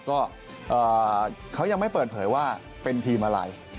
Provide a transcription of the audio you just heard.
ก็เขายังไม่เปิดเผยว่าเป็นทีมอะไร